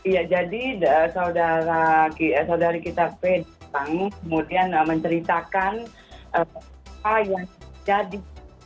ya jadi saudara kita kemudian menceritakan apa yang terjadi